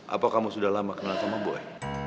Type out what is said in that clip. apa kamu sudah lama kenal sama boy